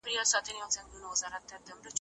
د همکارانو نظریات د ستونزو د حل لارښوونه کوي.